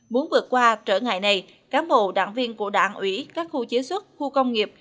muốn vượt qua trở ngại này cán bộ đảng viên của đảng ủy các khu chế xuất khu công nghiệp